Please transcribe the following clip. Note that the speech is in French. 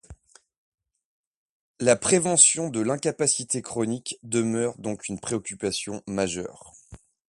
La prévention de l'incapacité chronique demeure donc une préoccupation majeure.